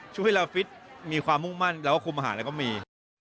ช่วงที่เราฟิตมีความมุ่งมั่นและคุมภาคแล้วก็มี